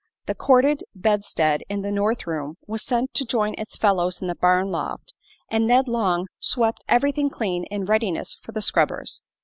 The corded bedstead in the north room was sent to join its fellows in the barn loft, and Ned Long swept everything clean in readiness for the scrubbers.